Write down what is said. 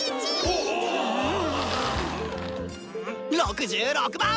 ６６番！